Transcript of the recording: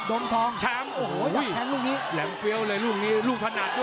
โดมทองหมดลุกจาก